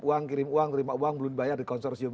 uang kirim uang terima uang belum dibayar di konsorsium